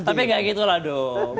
tapi gak gitu lah dong